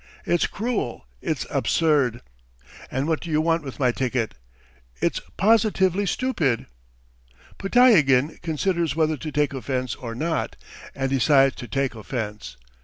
It's cruel, it's absurd! And what do you want with my ticket! It's positively stupid!" Podtyagin considers whether to take offence or not and decides to take offence.